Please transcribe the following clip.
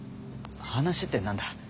話って何だ？